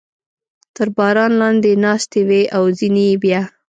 تر باران لاندې ناستې وې او ځینې یې بیا.